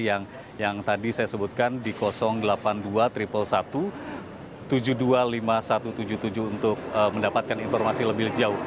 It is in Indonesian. yang tadi saya sebutkan di delapan ratus dua puluh satu ribu satu ratus sebelas tujuh ratus dua puluh lima ribu satu ratus tujuh puluh tujuh untuk mendapatkan informasi lebih jauh